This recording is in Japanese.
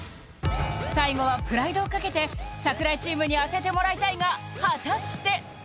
最後はプライドをかけて櫻井チームに当ててもらいたいが果たして？